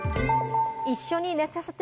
一緒に寝させて。